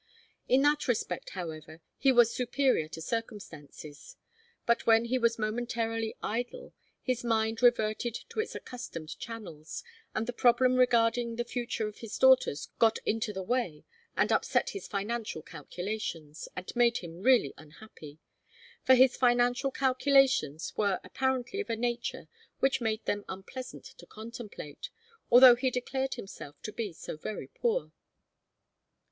In that respect, however, he was superior to circumstances. But when he was momentarily idle, his mind reverted to its accustomed channels, and the problem regarding the future of his daughters got into the way and upset his financial calculations, and made him really unhappy. For his financial calculations were apparently of a nature which made them pleasant to contemplate, although he declared himself to be so very poor.